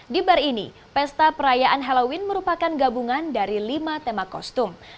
di bar ini pesta perayaan halloween merupakan gabungan dari lima tema kostum